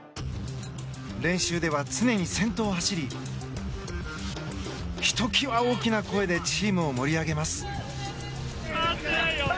練習では常に先頭を走りひときわ大きな声でチームを盛り上げます。